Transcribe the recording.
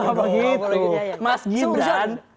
gak boleh gitu mas giu